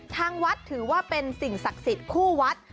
ทางวัดถือว่าเป็นสิ่งศักดิ์สิทธิ์คู่วัด